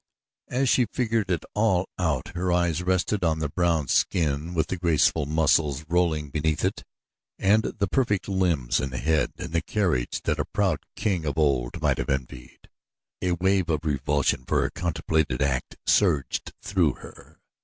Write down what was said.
As she figured it all out her eyes rested on the brown skin with the graceful muscles rolling beneath it and the perfect limbs and head and the carriage that a proud king of old might have envied. A wave of revulsion for her contemplated act surged through her.